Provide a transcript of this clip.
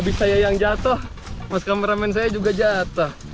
habis saya yang jatuh mas kameramen saya juga jatuh